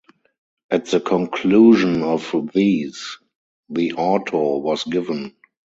At the conclusion of these, the auto was given.